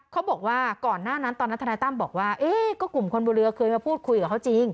เขาบอกว่าก่อนหน้านั้นตอนนั้นธนายตั้มบอกว่าเอ๊ะก็กลุ่มคนบนเรือเคยมาพูดคุยกับเขาจริง